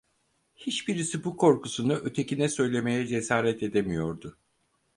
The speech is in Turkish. Hiçbirisi bu korkusunu ötekine söylemeye cesaret edemiyordu.